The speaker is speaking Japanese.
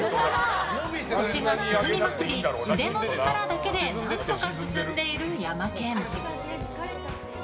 腰が沈みまくり腕の力だけで何とか進んでいるヤマケン。